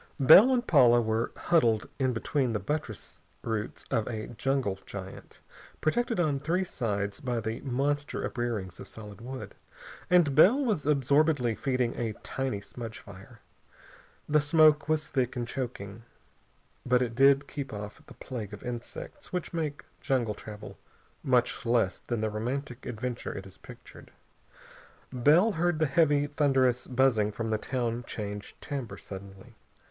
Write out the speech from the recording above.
Bell and Paula were huddled in between the buttress roots of a jungle giant, protected on three sides by the monster uprearings of solid wood, and Bell was absorbedly feeding a tiny smudge fire. The smoke was thick and choking, but it did keep off the plague of insects which make jungle travel much less than the romantic adventure it is pictured. Bell heard the heavy, thunderous buzzing from the town change timbre suddenly.